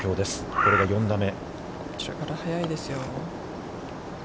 これが４打目。